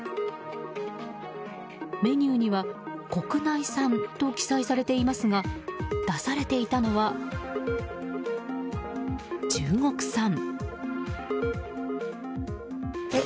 メニューには「国内産」と記載されていますが出されていたのは中国産。